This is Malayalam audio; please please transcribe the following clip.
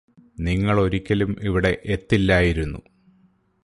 നിങ്ങളൊരിക്കലും ഇവിടെ എത്തില്ലായിരുന്നു